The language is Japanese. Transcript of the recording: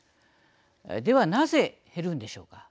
ではなぜ減るんでしょうか。